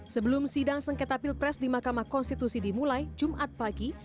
sebelum sidang sengketa pilpres di mahkamah konstitusi dimulai jumat pagi